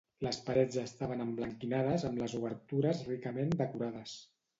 Les parets estaven emblanquinades amb les obertures ricament decorades.